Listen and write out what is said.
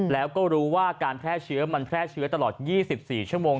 แล้วก็รู้ว่าการแพร่เชื้อมันแพร่เชื้อตลอด๒๔ชั่วโมง